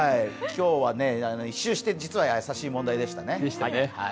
今日は一周して実はやさしい問題でしたね。